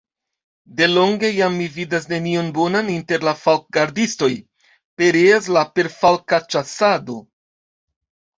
De longe jam mi vidas nenion bonan inter la falkgardistoj, pereas la perfalka ĉasado!